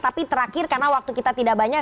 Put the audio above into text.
tapi terakhir karena waktu kita tidak banyak